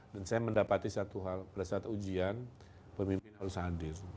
dan saya mendapati satu hal pada saat ujian pemimpin harus hadir